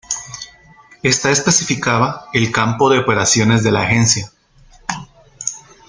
Esta especificaba el campo de operaciones de la agencia.